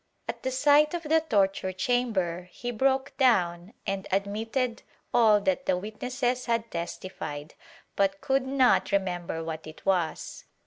At the sight of the torture chamber he broke down and admitted all that the witnesses had testified, but could not remember what it was.